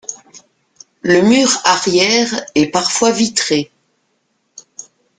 Le mur arrière est parfois vitré.